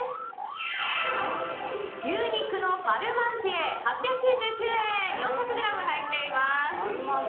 牛肉のパルマンティエ８９９円４００ｇ入っています。